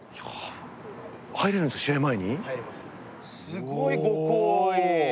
すごいご厚意。